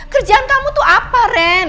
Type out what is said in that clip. kerjaan kamu tuh apa ren